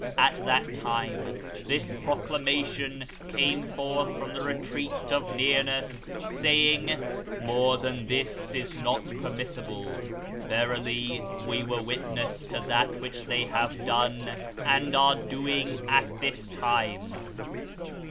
At that time, this proclamation came forth from the Retreat of Nearness, saying 'More than this is not permissible.' "Verily, We were Witness to that which they have done and are doing at this time."